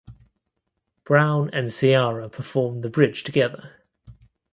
Brown and Ciara perform the bridge together.